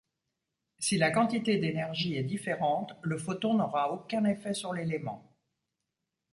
Si la quantité d'énergie est différente, le photon n'aura aucun effet sur l'élément.